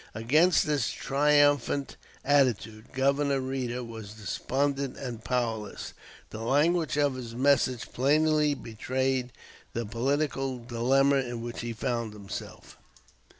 Against this triumphant attitude Governor Reeder was despondent and powerless. The language of his message plainly betrayed the political dilemma in which he found himself.